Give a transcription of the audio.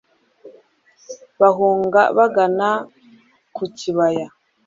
bahunga bagana ku kibaya